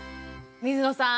水野さん